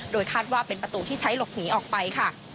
คาดว่าเป็นประตูที่ใช้หลบหนีออกไปค่ะ